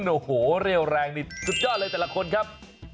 โอ้โหเรี่ยวแรงนี่สุดยอดเลยแต่ละคนครับ